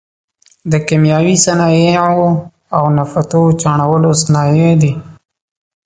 د کیمیاوي صنایعو او نفتو چاڼولو صنایع دي.